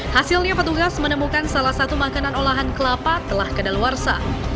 hasilnya petugas menemukan salah satu makanan olahan kelapa telah kedaluarsa